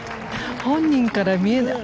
本人から見えない